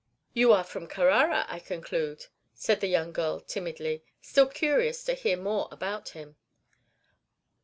"You are from Carrara, I conclude?" said the young girl, timidly, still curious to hear more about him.